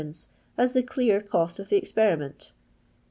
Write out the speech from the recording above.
as the clear cost of the experiment.